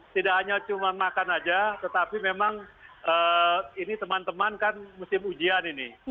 tidak hanya cuma makan saja tetapi memang ini teman teman kan musim ujian ini